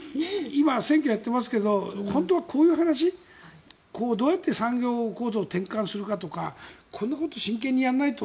今、選挙をやってますが本当はこういう話どうやって産業構造を転換するかとかこういうことを真剣にやらないと。